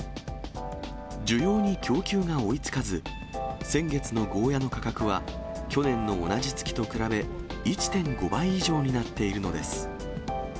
需要に供給が追いつかず、先月のゴーヤの価格は去年の同じ月と比べ１．５倍以上になっているのです。